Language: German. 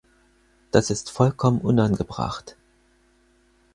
Das ist vollkommen unangebracht.